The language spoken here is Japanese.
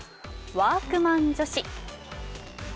ワークマン女子。